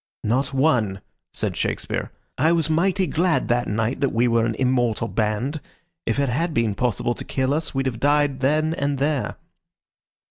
"Not one," said Shakespeare. "I was mighty glad that night that we were an immortal band. If it had been possible to kill us we'd have died then and there."